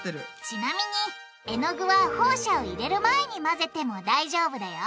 ちなみに絵の具はホウ砂を入れる前に混ぜても大丈夫だよ！